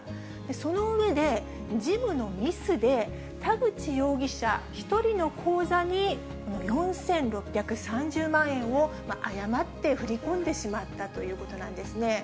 その上で、事務のミスで、田口容疑者１人の口座に、この４６３０万円を誤って振り込んでしまったということなんですね。